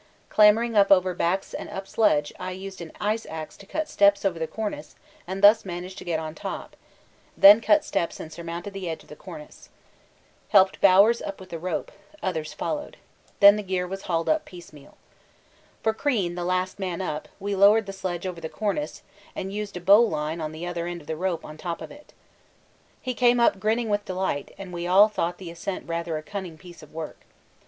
Clambering up over backs and up sledge I used an ice axe to cut steps over the cornice and thus managed to get on top, then cut steps and surmounted the edge of the cornice. Helped Bowers up with the rope; others followed then the gear was hauled up piecemeal. For Crean, the last man up, we lowered the sledge over the cornice and used a bowline in the other end of the rope on top of it. He came up grinning with delight, and we all thought the ascent rather a cunning piece of work.